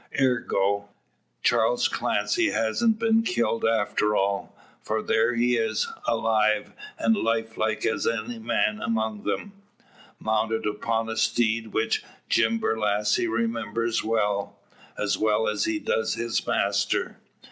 Ergo, Charles Clancy hasn't been killed after all; for there he is, alive, and life like as any man among them; mounted upon a steed which Jim Borlasse remembers well as well as he does his master.